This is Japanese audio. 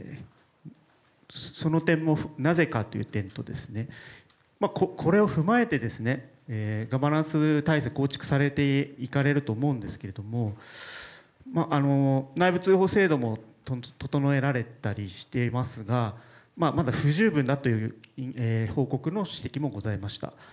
その点もなぜかという点とこれを踏まえてガバナンス対策を構築されていかれると思うんですが内部通報制度も整えられたりしていますがまだ不十分だという報告の指摘もございました。